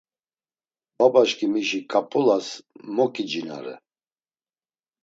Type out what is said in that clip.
Babaşǩimişi ǩap̌ulas moǩicinare.